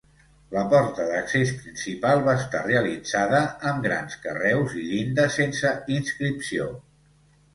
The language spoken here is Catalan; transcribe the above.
La porta d'accés principal va estar realitzada amb grans carreus i llinda sense inscripció.